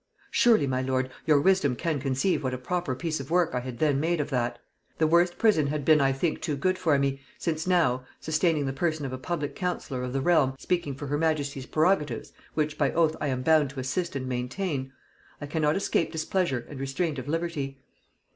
Surely, my lord, your wisdom can conceive what a proper piece of work I had then made of that: The worst prison had been I think too good for me, since now (sustaining the person of a public counsellor of the realm speaking for her majesty's prerogatives, which by oath I am bound to assist and maintain) I cannot escape displeasure and restraint of liberty.